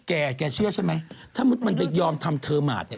แกแกเชื่อใช่มั้ยถ้ามึดมันไปยอมทำเทอร์มาส